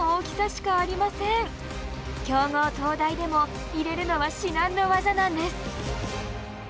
強豪・東大でも入れるのは至難の業なんです。